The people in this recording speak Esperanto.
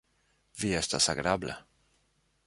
Vi estas agrabla.